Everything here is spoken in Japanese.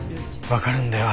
分かるんだよ